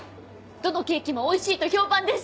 どのケーキもおいしいと評判です！